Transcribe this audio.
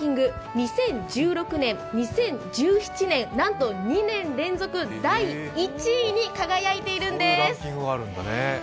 ２０１６年、２０１７年、なんと２年連続第１位に輝いているんです。